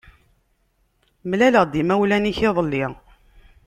Mlaleɣ-d imawlan-ik iḍelli.